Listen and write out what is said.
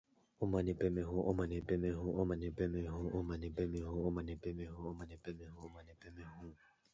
Midway's version also features faster game play than Namco's.